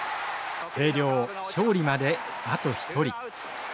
星稜勝利まであと１人。